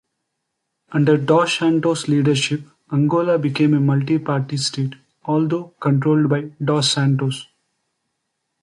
Under Dos Santos's leadership, Angola became a multi-party state, although controlled by Dos Santos.